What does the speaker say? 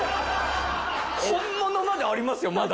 本物までありますよまだ。